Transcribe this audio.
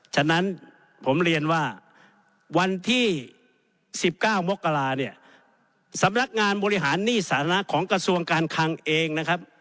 ฉะนั้นผมเรียนว่าวันที่๑๙มกราเนี่ยสำนักงานบริหารหนี้สาธารณะของกระทรวงการคังเองนะครับ